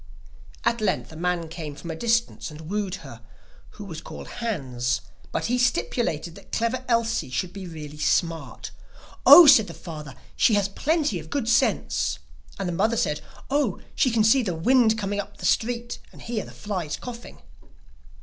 At length a man came from a distance and wooed her, who was called Hans; but he stipulated that Clever Elsie should be really smart. 'Oh,' said the father, 'she has plenty of good sense'; and the mother said: 'Oh, she can see the wind coming up the street, and hear the flies coughing.